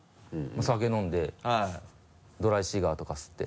酒飲んでドライシガーとか吸って。